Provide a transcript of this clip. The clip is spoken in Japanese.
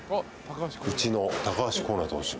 うちの高橋光成投手も。